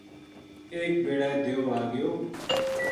ایک بِڑے دیو آ گیو